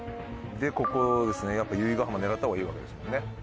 でここですねやっぱ由比ヶ浜狙ったほうがいいわけですもんね。